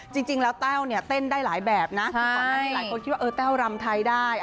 จริงแล้วเต้าเนี่ยเต้นได้หลายแบบนะหลายคนคิดว่าเต้ารำไทยได้